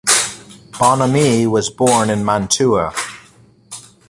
Bonomi was born in Mantua.